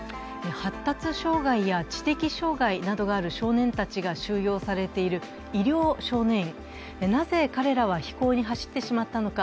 発達障害や生涯などがある少年たちが収容されている医療少年院、なぜ彼らは非行に走ってしまったのか。